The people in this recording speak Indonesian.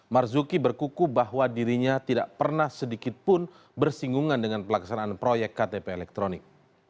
marzuki berkuku bahwa dirinya tidak pernah sedikitpun bersinggungan dengan pelaksanaan proyek ktp elektronik